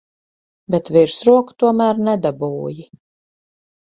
Bet virsroku tomēr nedabūji.